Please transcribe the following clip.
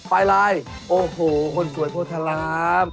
ปลายลายโอ้โฮคนสวยโทษล้าม